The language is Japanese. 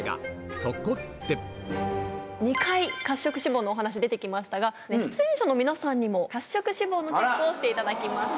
そこで２回褐色脂肪のお話出て来ましたが出演者の皆さんにも褐色脂肪のチェックをしていただきました。